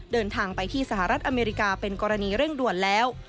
เดินทางไปที่สหรัฐอเมริกาเป็นกรณีเร่งด่วนแล้ว